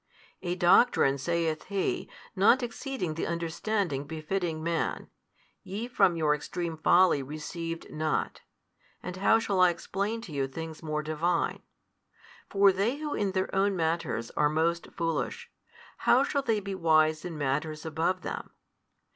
A doctrine, saith He, not exceeding the understanding befitting man, ye from your extreme folly received not, and how shall I explain to you things more Divine? For they who in their own matters are most foolish, how shall they be wise in matters above them?